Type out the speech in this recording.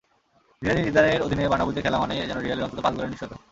Zinedine জিদানের অধীনে বার্নাব্যুতে খেলা মানেই যেন রিয়ালের অন্তত পাঁচ গোলের নিশ্চয়তা।